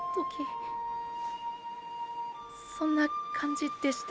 そんな感じでした。